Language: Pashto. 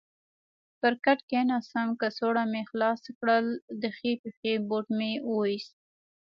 پر کټ کېناستم، کڅوړه مې خلاصه کړل، د ښۍ پښې بوټ مې وایست.